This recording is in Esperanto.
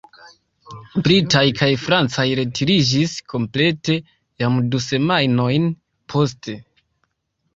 Britaj kaj francaj retiriĝis komplete jam du semajnojn poste.